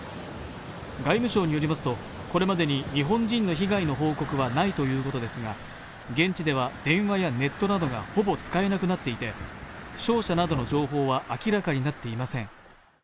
外務省によりますと、これまでに日本人の被害の報告はないということですが、現地では電話やネットなどがほぼ使えなくなっていて、負傷者などの情報は明らかになっていません。